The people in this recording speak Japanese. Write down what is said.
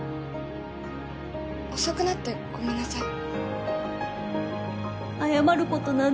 遅くなってごめんなさい